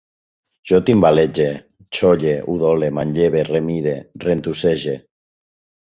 Jo timbalege, xolle, udole, manlleve, remire, rentussege